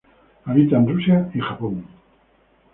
Habita en Rusia y Japón.